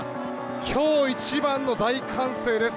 今日一番の大歓声です。